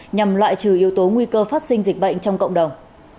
nhằm loại trừ yếu tố nguy cơ phát sinh dịch bệnh trong cộng đồng